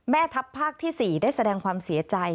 แม่ทัพภาคที่๔ได้แสดงความเสียใจ